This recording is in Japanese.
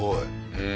うん。